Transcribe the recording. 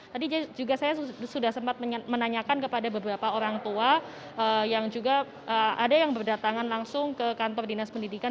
tadi juga saya sudah sempat menanyakan kepada beberapa orang tua yang juga ada yang berdatangan langsung ke kantor dinas pendidikan